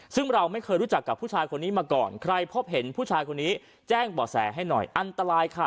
ซึ่งเราไม่เคยรู้จักกับผู้ชายคนนี้มาก่อนใครพบเห็นผู้ชายคนนี้แจ้งบ่อแสให้หน่อยอันตรายค่ะ